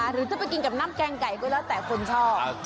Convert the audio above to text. หรือจะไปกินกับน้ำแกงไก่ก็แล้วแต่คนชอบ